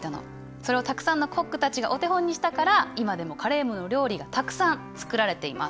それをたくさんのコックたちがお手本にしたから今でもカレームの料理がたくさん作られています。